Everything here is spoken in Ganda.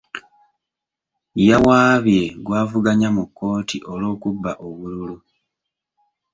Yawaabye gw'avuganya mu kkooti olw'okubba obululu.